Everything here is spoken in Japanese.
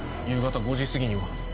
夕方５時すぎには。